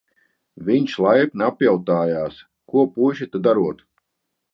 Viņš laipni apjautājās, ko puiši te darot.